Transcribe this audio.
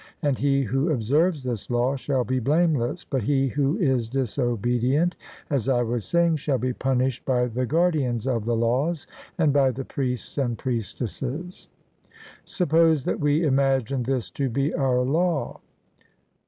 And he who observes this law shall be blameless; but he who is disobedient, as I was saying, shall be punished by the guardians of the laws, and by the priests and priestesses. Suppose that we imagine this to be our law.